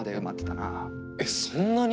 えっそんなに！